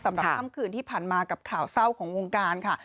สำหรับค่ำคืนที่ผ่านมากับข่าวเศร้าของวงการค่ะ